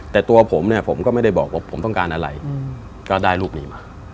แต่ตัวผมเนี่ยผมก็ไม่ได้บอกว่าผมต้องการอะไรก็ได้ลูกนี้มา